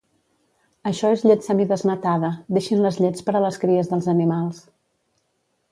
Això és llet semidesnatada, deixin les llets per a les cries dels animals